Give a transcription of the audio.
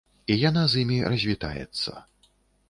І яна з імі развітаецца.